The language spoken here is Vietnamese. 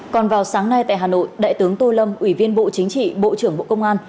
còn vào sáng nay tại hà nội đại tướng tô lâm ủy viên bộ chính trị bộ trưởng bộ công an